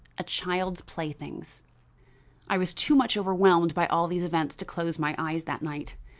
A CHILD'S PLAYTHINGS I was too much overwhelmed by all these events to close my eyes that night.